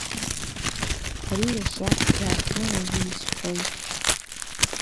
Ари иахьа иаартны уаҩы изҳәом.